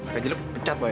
gaji lo pecat boy ya